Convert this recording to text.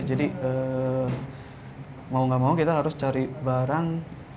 jadi mau gak mau kita harus cari barang